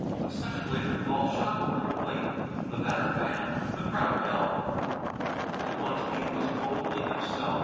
A second later the ball shot over the plate. The batter fanned, the crowd yelled. All at once Bean was coldly himself.